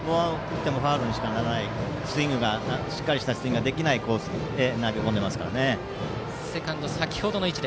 ファウルにしかならないしっかりしたスイングができないコースに投げ込んでいますから。